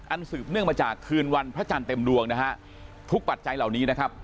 สืบเนื่องมาจากคืนวันพระจันทร์เต็มดวงนะฮะทุกปัจจัยเหล่านี้นะครับ